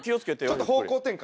ちょっと方向転換。